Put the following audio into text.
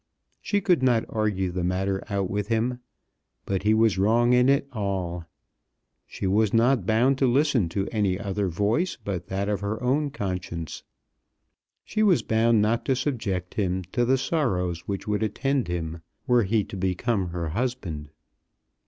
She could not argue the matter out with him, but he was wrong in it all. She was not bound to listen to any other voice but that of her own conscience. She was bound not to subject him to the sorrows which would attend him were he to become her husband.